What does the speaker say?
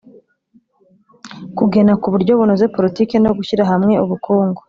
kugena ku buryo bunoze politiki no gushyira hamwe ubukungu